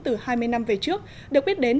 từ hai mươi năm về trước được biết đến